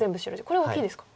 これ大きいですか。